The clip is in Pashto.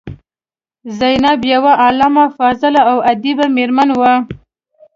زینب یوه عالمه، فاضله او ادیبه میرمن وه.